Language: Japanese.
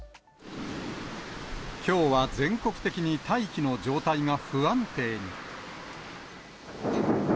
きょうは全国的に大気の状態が不安定に。